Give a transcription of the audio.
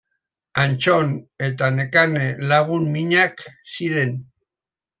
Antton eta Nekane lagun minak ziren.